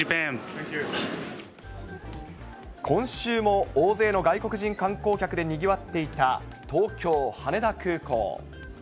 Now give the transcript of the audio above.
今週も大勢の外国人観光客でにぎわっていた東京・羽田空港。